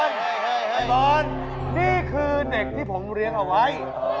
สวัสดิ์นี่คือเด็กที่ผมเลี้ยงเอาไว้